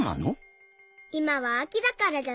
いまはあきだからじゃない？